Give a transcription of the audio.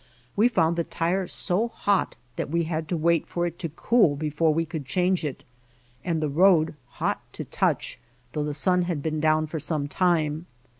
We found the tire so hot that we had to wait for it to cool before we could change it, and the road hot to touch though the sun had been down for some time.